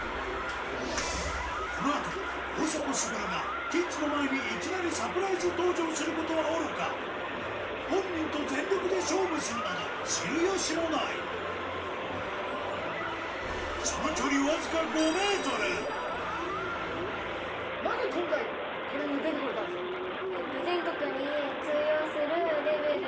このあと大迫傑がキッズの前にいきなりサプライズ登場することはおろか本人と全力で勝負するなど知るよしもないその距離わずか５ｍなぜ今回これに出てくれたんですか？